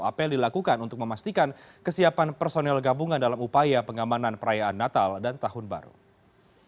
apel dilakukan untuk memastikan kesiapan personel gabungan dalam upaya pengamanan perayaan natal dan tahun baru